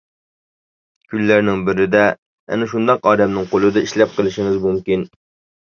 كۈنلەرنىڭ بىرىدە ئەنە شۇنداق ئادەمنىڭ قولىدا ئىشلەپ قېلىشىڭىز مۇمكىن.